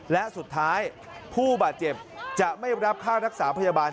และสุดท้ายผู้บาดเจ็บจะไม่รับค่ารักษาพยาบาล